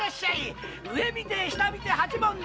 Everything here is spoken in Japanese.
上見て下見て八文だ！